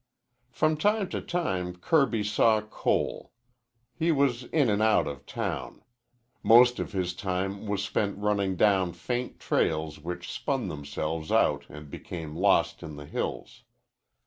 From time to time Kirby saw Cole. He was in and out of town. Most of his time was spent running down faint trails which spun themselves out and became lost in the hills.